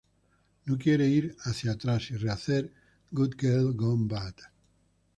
No quise ir hacia atrás y rehacer "Good Girl Gone Bad".